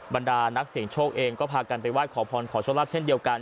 บรรดานักเสี่ยงโชคเองก็พากันไปไห้ขอพรขอโชคลาภเช่นเดียวกัน